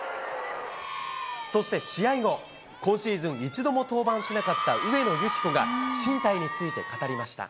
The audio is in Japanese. そして試合後、今シーズン、一度も登板しなかった上野由岐子が、進退について語りました。